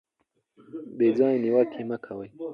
بې ځایه نیوکې مه کوئ.